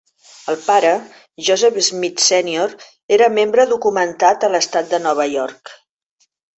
El pare, Joseph Smith Sènior, era membre documentat a l'estat de Nova York.